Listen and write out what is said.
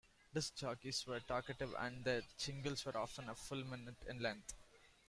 Disc jockeys were talkative and the jingles were often a full minute in length.